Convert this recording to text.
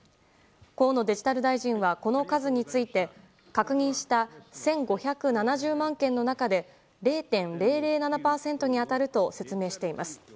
河野デジタル大臣はこの数について確認した１５７０万件の中で０．００７％に当たると説明しています。